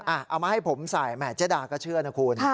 เอามาให้ผมใส่แหม่เจ๊ดาก็เชื่อนะคุณ